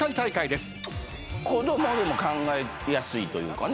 子供でも考えやすいというかね。